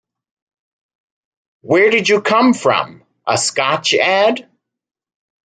Where did you come from, a scotch ad?